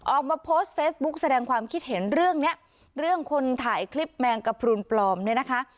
ออกมาโพสต์เฟซบุ๊กแสดงความคิดเห็นเรื่องเนี้ยเรื่องคนถ่ายคลิปแมงกระพรุนปลอมเนี่ยนะคะ